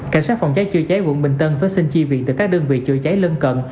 cảnh sát phòng cháy chữa cháy quận bình tân phải xin chi viện từ các đơn vị chữa cháy lân cận